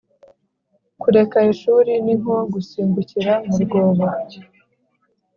kureka ishuri ni nko gusimbukira mu rwobo